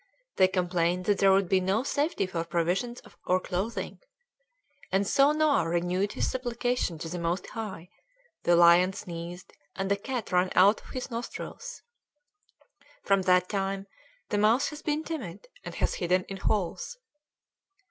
They complained that there would be no safety for provisions or clothing. "And so Noah renewed his supplication to the Most High, the lion sneezed, and a cat ran out of his nostrils. From that time the mouse has been timid and has hidden in holes."